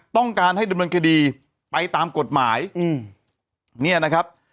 ต้องการให้ดำเนินคดีไปตามกฎหมายอืมเนี่ยนะครับ